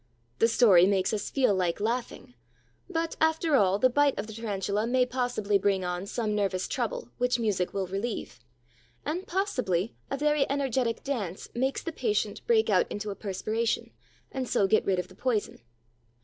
The story makes us feel like laughing, but, after all, the bite of the Tarantula may possibly bring on some nervous trouble which music will relieve; and possibly a very energetic dance makes the patient break out into a perspiration and so get rid of the poison.